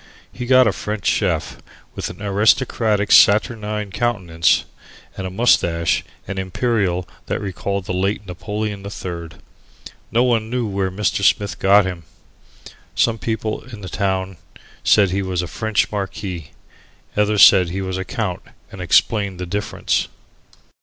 He got a French Chief with an aristocratic saturnine countenance, and a moustache and imperial that recalled the late Napoleon III. No one knew where Mr. Smith got him. Some people in the town said he was a French marquis. Others said he was a count and explained the difference.